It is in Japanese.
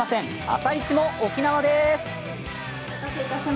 「あさイチ」も沖縄です。